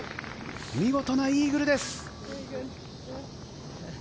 見事なイーグルです。